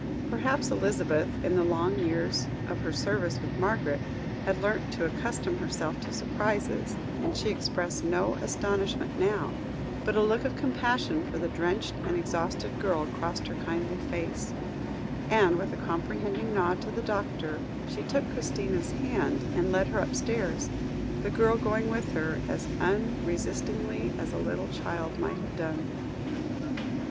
Perhaps Elizabeth, in the long years of her service with Margaret, had learnt to accustom herself to surprises, and she expressed no astonishment now; but a look of compassion for the drenched and exhausted girl crossed her kindly face; and, with a comprehending nod to the doctor, she took Christina's hand and led her upstairs, the girl going with her, as unresistingly as a little child might have done.